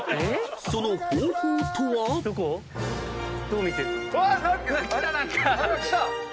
［その方法とは？］来た！